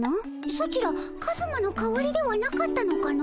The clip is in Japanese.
ソチらカズマの代わりではなかったのかの。